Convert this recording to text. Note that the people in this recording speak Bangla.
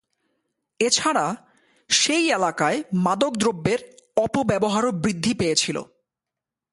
এছাড়া, সেই এলাকায় মাদকদ্রব্যের অপব্যবহারও বৃদ্ধি পেয়েছিল।